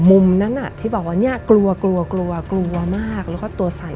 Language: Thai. มุมนั้นที่บอกว่ากลัวมากแล้วก็ตัวสั่น